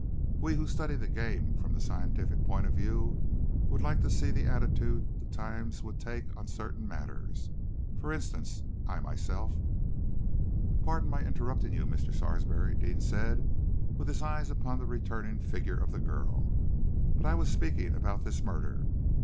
We who study the game from the scientific point of view would like to see the attitude the Times would take on certain matters. For instance, I myself " "Pardon my interrupting you, Mr. Sarsby," Deane said, with his eyes upon the returning figure of the girl, "but I was speaking about this murder.